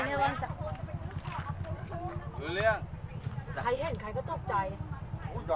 สวยมากอยากกลับอ่ะ